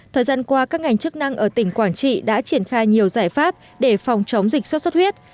thời gian qua các ngành chức năng ở tỉnh quảng trị đã triển khai nhiều giải pháp để phòng chống dịch sốt xuất huyết